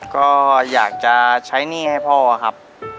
ก็อยากจะใช้หนี้ให้พ่อครับ